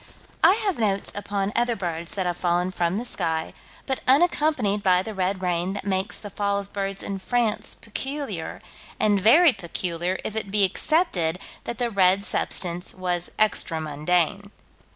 I have notes upon other birds that have fallen from the sky, but unaccompanied by the red rain that makes the fall of birds in France peculiar, and very peculiar, if it be accepted that the red substance was extra mundane.